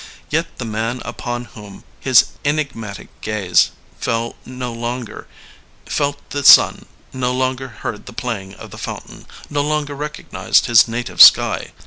Yet the man upon whom his enigmatic gaze fell no longer felt the sun, no longer heard the playing of the fountain, no longer recognized his native sky.